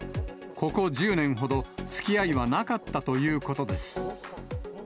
ここ１０年ほど、つきあいはなかったということです。